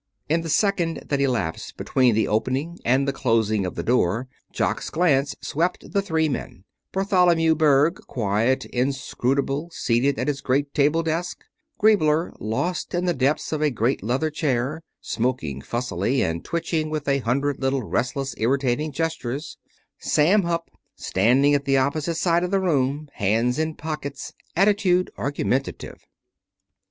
In the second that elapsed between the opening and the closing of the door Jock's glance swept the three men Bartholomew Berg, quiet, inscrutable, seated at his great table desk; Griebler, lost in the depths of a great leather chair, smoking fussily and twitching with a hundred little restless, irritating gestures; Sam Hupp, standing at the opposite side of the room, hands in pockets, attitude argumentative.